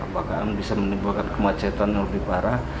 bahkan bisa menimbulkan kemacetan yang lebih parah